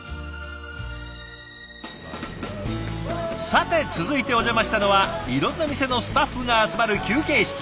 さて続いてお邪魔したのはいろんな店のスタッフが集まる休憩室。